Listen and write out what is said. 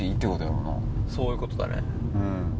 そういうことだね。